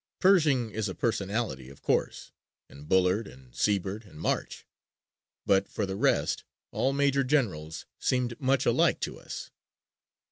Pershing is a personality, of course, and Bullard and Sibert and March, but for the rest all major generals seemed much alike to us.